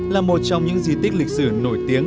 là một trong những di tích lịch sử nổi tiếng